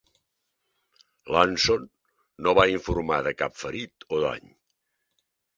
L'"Anson" no va informar de cap ferit o dany.